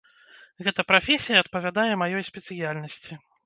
Гэта прафесія адпавядае маёй спецыяльнасці.